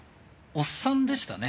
おっさんでしたね。